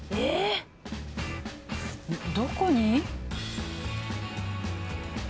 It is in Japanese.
どこに？